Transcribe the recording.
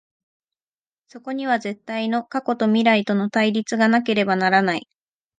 そこには絶対の過去と未来との対立がなければならない。